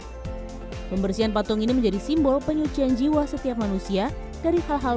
hai pembersihan patung ini menjadi simbol penyucihan jiwa setiap manusia dari hal hal